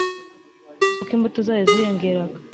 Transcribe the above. Uko imbuto zayo ziyongeraga,